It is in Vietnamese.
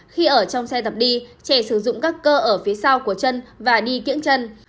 khi ở trong xe tập đi trẻ sử dụng các cơ ở phía sau của chân và đi kiễng chân